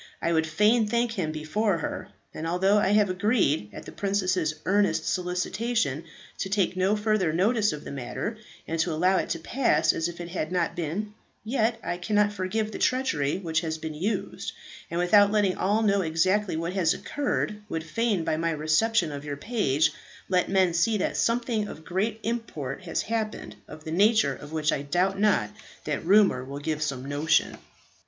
I would fain thank him before her; and, although I have agreed at the princess's earnest solicitation to take no further notice of the matter, and to allow it to pass as if it had not been, yet I cannot forgive the treachery which has been used, and, without letting all know exactly what has occurred, would fain by my reception of your page, let men see that something of great import has happened, of the nature of which I doubt not that rumour will give some notion."